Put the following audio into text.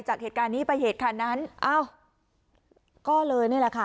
จากเหตุการณ์นี้ไปเหตุการณ์นั้นอ้าวก็เลยนี่แหละค่ะ